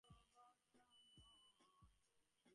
এই ঘটনার পর দশ বৎসর অতীত হইয়া গেল।